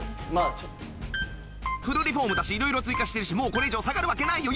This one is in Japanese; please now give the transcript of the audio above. フルリフォームだし色々追加してるしもうこれ以上下がるわけないよ。